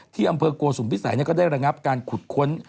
ที่อำเมอร์โกศูนย์ศูนย์ภิกษายนี่ก็ได้ระงับการขุดค้น